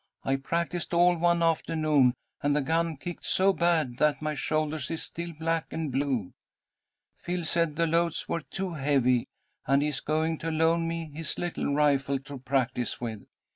I practised all one afternoon, and the gun kicked so bad that my shoulder is still black and blue. Phil said the loads were too heavy, and he is going to loan me his little rifle to practise with.